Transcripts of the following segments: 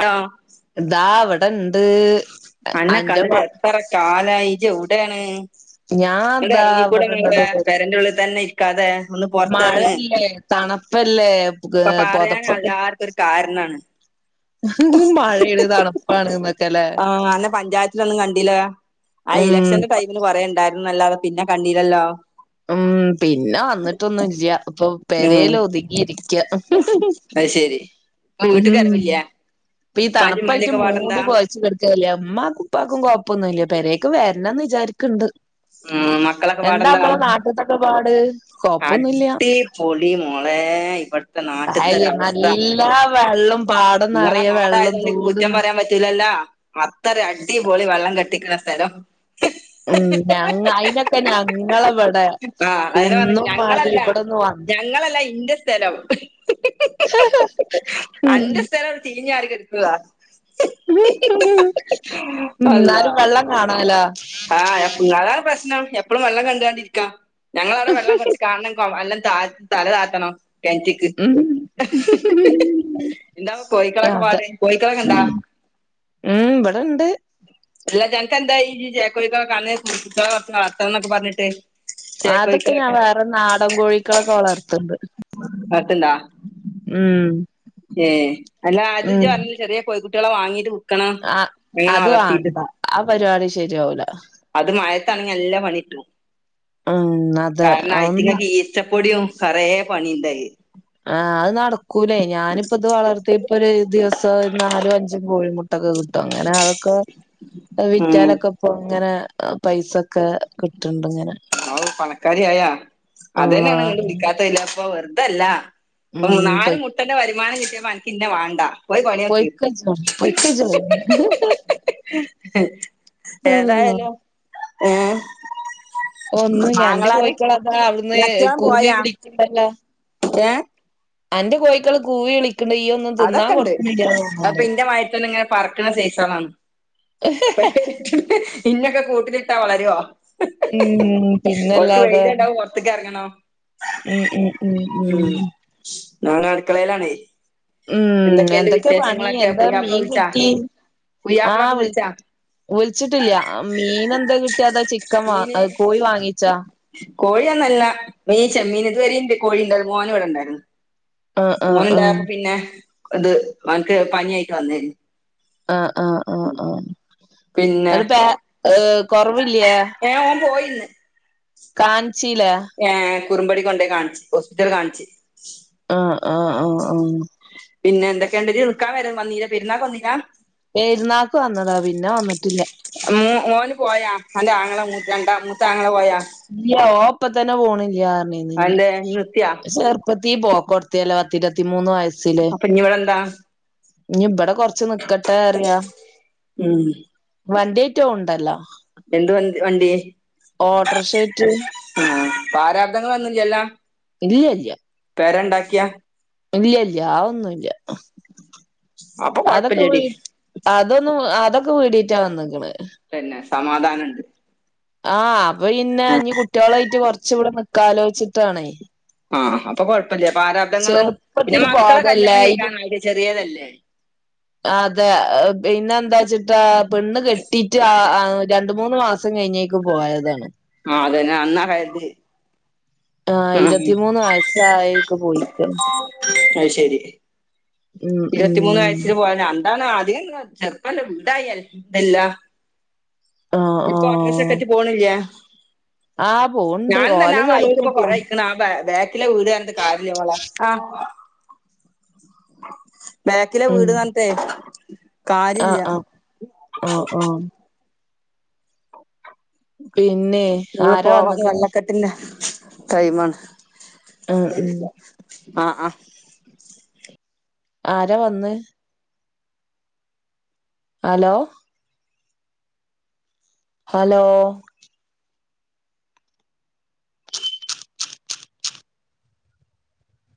ആ ഇതാ അവിടെ ഇണ്ട് അന്നെ കണ്ടിട്ട് എത്ര കാലായി ജ്ജോവ്ടെണ് ഞാൻ ഇതാ ഇറങ്ങിക്കൂടെ മാ ഇവിടെണ്ടടോ പേര് പേരന്റെ ഉള്ളിൽ തന്നെ ഇരിക്കാതെ ഒന്ന് പോറത്തറങ്ങ മഴയല്ലേ തണുപ്പല്ലേ ഇപ്പൊ പറയാന പൊതപ്പൊക്കെ എല്ലർക്കുംരു കാരണമാണ് മഴെണ് തണുപ്പാണ ന്നൊക്കെ ആ അന്ന പഞ്ചായത്തിലൊന്നും കണ്ടില്ല ആ ഉം ഇലക്ഷന്റെ ടൈമന് കൊറേ ഉണ്ടായി നല്ലാതെ പിന്നെ കണ്ടീലല്ലോ ഉം ഉം പെരൽ ഒതുങ്ങിയിരിക്ക വീട്ട്ക്ക് വരവ് ല്ല പ്പൊ ഈ തണുപ്പായിട്ട് മൂടി പോഴച്ച കിടുക്കല്ലേ ഉമ്മക്കും ഉപ്പക്കും കൊഴപ്പൊന്നും ഇല്ല പേരേക്ക് വെർ ണം വിചാരിക്കണ്ട് മ് മക്കളൊക്കെ പാടെന്താ നാട്ട്ത്തൊക്കെ പാട് കൊഴപ്പൊന്നുല്ല അടിപൊളി മോ [unintelligible] നാട്ടത്തെ അയ് ഒരവസ്ഥ നല്ല വെള്ളം പാടം നിങ്ങളെ നെറയെ നാടായത വെള്ളം കൊണ്ട് എനിക്ക് തോട് കുറ്റം ന പറയാൻ പറ്റൂലല്ല അത്തര അടി പോളി വെള്ളം കട്ടിക്കണെ സ്ഥലം മ് ഞങ അയിനൊക്കെ ഞങ്ങള ആ [unintelligible] ഞങ്ങളല്ല ഇവിടൊന്നും വന്ന് ഞങ്ങളല്ല ഇന്റെ സ്ഥലം അന്റെ ഉം സ്ഥലം ചീഞാടി കേട്ക്കാ അല്ല എന്നാലും വെള്ളം കാണലോ ആ താണ് പ്രശ്നം എപ്പഴും വെള്ളം കണ്ടാണ്ടിരിക്കാ ഞങ്ങളവിടെ വെള്ളം കുറച്ച് കാണണം എല്ലാം ത തല താത്തണം കെൻറ്റ്ക്ക് ഉം എന്താ കോഴിക്കളൊക്കെ പാട് കോയിക്കള് ണ്ടാ മ് വടെണ്ട് [unintelligible] വളർത്തണം ന്നൊക്കെ പറഞ്ഞിട്ട് അതൊക്കെ ഞാൻ ചേക്കോയിക്കളൊക്കെ വേറെ നാടൻ കോഴികളൊക്കെ വളർത്തണ്ട് ത്ണ്ടാ മ് ഏ അല്ലാ ആത് പറഞ്ഞ ചെറിയ കോഴിക്കുട്ടികളെ വാങ്ങീട്ട് വിക്കണം ആ അങ്ങനെ അതും വളർത്തിയിട്ട് വാണ്ടാ ആ പരിപാടി ശരിയാവൂല അത് മഴത്താണെങ്കി എല്ലാം പണിട്ടും ഉം അതെ കാരണം അതൊന്നും ആഐത്തിങ്ങക്ക് ഈച്ച [unintelligible] യും കറയേ പണിണ്ടായി ആഹ് അത് നടക്കൂലേ ഞാനിപ്പ ഇത് വളർത്തിയപ്പൊ ഒരു ദിവസം നാലും അഞ്ചും [unintelligible] കിട്ടും അങ്ങനെ അതൊക്കെ ഉം വിറ്റാലൊക്കെ ഇങ്ങനെ പൈസക്കെ [unintelligible] ഓ പണക്കാരിയായാ അതന്നെയാണ് നിങ്ങ അള്ളാഹ് വിളിക്കാത്ത ഇല്ല അപ്പ വെറുതല്ല ഓ ഉം നാല് പൊയ് മുട്ടന്റെ വരുമാനം കിട്ടിയപ്പോ അനക്കിന്നെ വേണ്ട പോയി പണിയോക്ക് പൊയ്ക്കോജ് പൊയ്ക്കോജ് അള്ളാ [unintelligible] ഏതായാലും ഏ ഒന്ന് ഞാൻന്റെ ആങ്ങളാര് കോയിക്കോള അതാ അവിടുന്ന് കൂവി വിളിക്കണ്ടല്ലോ ഏഹ് അന്റെ കോയി ക്കള് കൂവി വിളിക്കണ്ട് ഈയ ഒന്നും തിന്നാ അതൊക്കെ ഉണ്ട് കൊടുക്കല്ല അപ്പൊ തോന്നണ്ട് ഇന്റെ വയറ്റന്നെ ഇങ്ങനെ പറക്കണ സെയ്സളാണ് ഇന്നൊക്കെ കൂട്ടിലിട്ടാ വളരുവോ ഉം [unintelligible] ഓൽക് വെയില് കണ്ട പോർത്ക്ക് എറങ്ങണം മ് മ് മ് മ് [unintelligible] അടുക്കളയിലാണേ ഉം എന്തൊക്കെയുണ്ട് എന്തൊക്കെ പണി വിശേഷങ്ങളൊക്കെ എന്താ പുയ്യാപ്പിള മീൻ വിളിച്ചാ കിട്ടി ആ പുയ്യാപ്പിളൊക്കെ വിളിച്ചാ വിളിച്ചിട്ടില്ല മീൻ എന്താ കി ട്ടിയതാ ചിക്കൻ വ കോഴി വാങ്ങിച്ചാ കോഴിയന്നല്ല മീച്ചെമ്മീൻ ഇതുവരെ കോഴി ഉണ്ടായിരുന്നു മോന ഇവിടെ ഇണ്ടായിരുന്നു ആഹ് ആഹ് ആഹ് ഓനുണ്ടായപ്പോ പിന്നെ ഇത് അവനക്ക് പനായിട്ട് വന്നന് ആ ആ ആ ആ പിന്നെ [unintelligible] കൊറവില്ലയേ ഏ [unintelligible] കാൻചിലെ ഏഹ് കുറുമ്പടി കൊണ്ടേ കാൻചി ഹോസ്പിറ്റൽ കാൻച് ആഹ് ആഹ് ആഹ് ആഹ് - പിന്നെ എന്തൊക്കെയ ഉണ്ടടി നിൽക്കാൻ വരുന്നു വന്നീര പെരുന്നാക്ക് വന്നീര- പരുന്നാക്ക് വന്നതാ പിന്ന വന്നിട്ടില്ല- ഓോന് പോയാ എന്റെറെ ആങ്ങളെ മൂത്ത രണ്ടാ മൂത്ത ആങ്ങളെ പോയാ- ഇല്ല ഓ അപ്പ തന്നെ പോണില്ലാണിനി- അതെന്തേ ഇയ്യ് നിർത്തിയാ [unintelligible] പത്തിരുപത്തി മൂന്ന് വയസ് അപ്പംഞ്ഞി ഇവിടെ എന്താ? ഞി ഇവിടെ കൊറച്ച് നിക്കട്ടെ അറിയാ ഉം വണ്ടിയേറ്റോ ഉണ്ടല്ലോ - എന്ത് വ വണ്ടി- ഓട്ടറ്ഷേറ്റ്- ആഹ് പ്രാരാബ്ധങ്ങൾ ഒന്നും ഇല്ലൃല്ലോ? ഇല്ലൃ ഇല്ലൃ- പേരെണ്ടാക്കിയാ- ഇല്ല്യ അതൊന്നുല്ല്യ അപ്പൊ അതൊക്കെ വി കൊഴപ്പല്ലടി അതൊന്നും അതൊ- വീടിട്ടാ വന്ന്ക്കണേ- പിന്നെ സമാധാനുണ്ട്- ആഹ് അപ്പൊ ഇന്നെ ഇ കുട്ടികളായിട്ട് കൊറച്ച് ഇടെ നിക്കലോചിച്ചിട്ടാണേ- ആഹ് അപ്പൊ കൊഴപ്പില്ല പ്രാരാബ്ദങ്ങളും പിന്നെ ചെറുപ്പത്തിൽ മക്കളെ ബോധല്ലേ കല്യാണം ഇത് കേൾക്കാായിട്ട് ചെറിയതല്ലേ- അതെ പിന്നെ എന്താ വെച്ചിട്ടാ പെണ്ണ് കെട്ടിട്ട് ആ ര രണ്ട് മൂന്ന് മാസം കഴിഞ്ഞേക്കും പോയതാണ്- ആ അതന്നെ അന്നാറയത്- ആഹ് ഇരുത്തിമൂന്ന് വയസ്സായിക്കെ പോയിക്ക- അത് ശരി ഉം ഇരുപത്തിമൂന്ന് വയസി പോയതാണ് - എന്താണ് ആതിനെന്ത ചെറുപ്പല്ലേ വീടായി എല്ലാം- ആ ആ ഇപ്പൊ ഓട്ട്രിസ സെൻററിപോണില്ലൃ - ആ- പോണ്ട് ഞാൻ തന്നെ ഓലെ ആ ചെലവിന് വായിക്കുമ്പൊ കൊറ കിട്ടിയാണ് വക്കണ ആ ബ ബാക്കിലെ വീടാന് കാര്യളെ ആ- ബാക്കിലെ വീട് താനത്തെേ- ആഹ് ആഹ് ആഹ് ആഹ്- പിന്നെ ഞങ്ങൾ ആരാ പോയത് വന്ന്ക്ക്ണ് വെള്ളക്കെട്ടിന്റെ ടൈമാണ്- ആഹ് ഉം- ആഹ് ആ- ആരാ വന്ന്- ഹലോ- ഹലോ-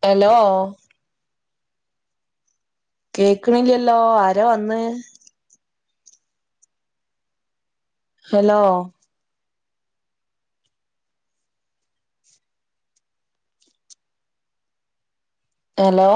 എലോ- കേക്കണില്ലല്ലോ ആരോ വന്ന്- ഹലോ- എലോ-